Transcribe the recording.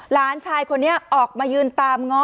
หลานชายคนนี้ออกมายืนตามง้อ